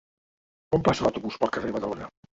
Quan passa l'autobús pel carrer Badalona?